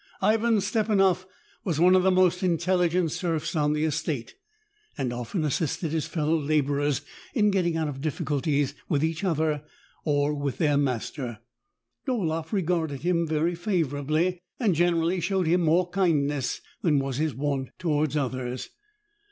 Ivan Stepanof was one of the most intelligent serfs on the estate, and often assisted his fellow laborers in getting out of difficulties with each other, or with their master. Dolaefif regarded him very favorably, and generally showed him more kindness than was his wont toward others.